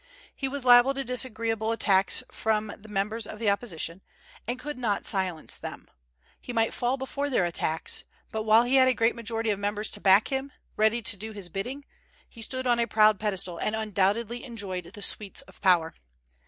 He was liable to disagreeable attacks from members of the opposition, and could not silence them; he might fall before their attacks; but while he had a great majority of members to back him, ready to do his bidding, he stood on a proud pedestal and undoubtedly enjoyed the sweets of power.